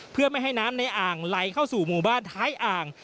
เพื่อไม่ให้น้ำในอ่างไหลเข้าสู่หมู่บ้านท้ายอ่าง